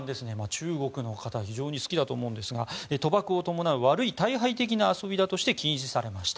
中国の方は非常に好きだと思うんですが賭博を伴う悪い退廃的な遊びだとして禁止されました。